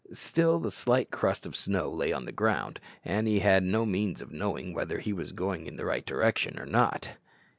Still the slight crust of snow lay on the ground, and he had no means of knowing whether he was going in the right direction or not.